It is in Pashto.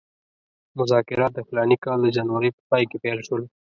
مذاکرات د فلاني کال د جنورۍ په پای کې پیل شول.